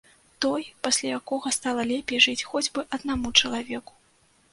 Той пасля якога стала лепей жыць хоць бы аднаму чалавеку.